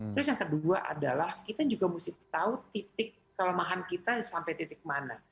terus yang kedua adalah kita juga mesti tahu titik kelemahan kita sampai titik mana